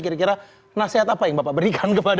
jadi tentang akhir akhir akhir ini pak